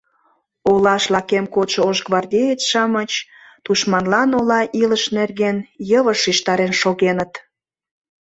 Олаш лакем кодшо ош гвардеец-шамыч тушманлан ола илыш нерген йывышт шижтарен шогеныт...